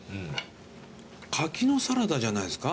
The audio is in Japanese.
柿のサラダじゃないですか？